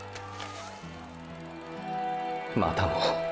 またも―